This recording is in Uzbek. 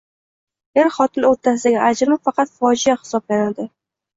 Er-xotin o‘rtasidagi ajrim katta fojea hisoblanadi.